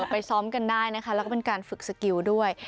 ไปซ้อมกันได้นะคะแล้วก็เป็นการฝึกสกิลด้วย